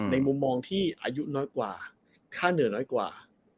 มุมมองที่อายุน้อยกว่าค่าเหนื่อยน้อยกว่า